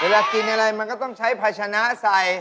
เวลากินอะไรมันก็ต้องใช้ภาชนะใส่